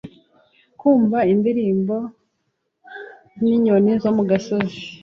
Kumva indirimbo yinyoni zo mu gasozi